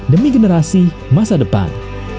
demi generasi masa depan